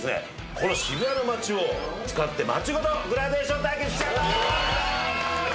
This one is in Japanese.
この渋谷の街を使って街ごとグラデーション対決しちゃいます！